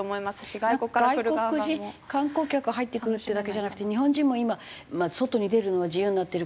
外国人観光客が入ってくるっていうだけじゃなくて日本人も今外に出るのは自由になってるから。